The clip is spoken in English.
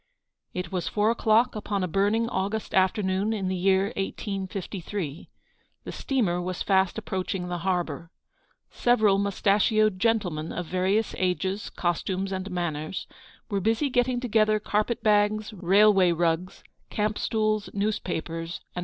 It was four o'clock upon a burning August afternoon in the year 1853. The steamer was fast approaching the harbour. Several mous tachioed gentlemen, of various ages, costumes, and manners, were busy getting together carpet bags, railway rugs, camp stools, newspapers, and VOL.